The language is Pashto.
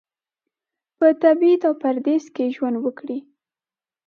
په تبعید او پردیس کې ژوند وکړي.